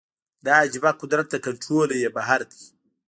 دا عجیبه قدرت له کنټروله یې بهر دی